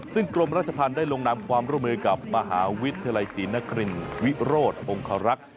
ซึ่งกรมราชธรรมได้ลงนามความร่วมมือกับมหาวิทยาลัยศรีนครินวิโรธองคารักษ์